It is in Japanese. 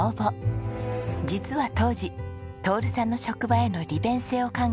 実は当時徹さんの職場への利便性を考え